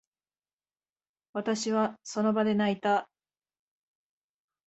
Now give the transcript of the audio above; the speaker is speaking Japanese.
私は、その場で泣いた。